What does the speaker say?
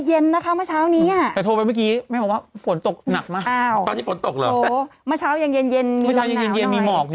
เป็นไงล่ะฝนตกลื้ม